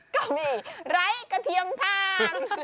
ก็มีไร้กระเทียมทาง